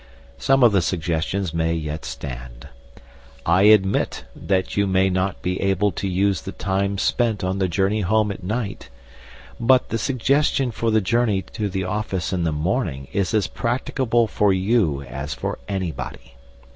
Some of the suggestions may yet stand. I admit that you may not be able to use the time spent on the journey home at night; but the suggestion for the journey to the office in the morning is as practicable for you as for anybody.